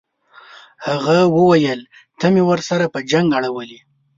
هغه وویل ته مې ورسره په جنګ اړوې.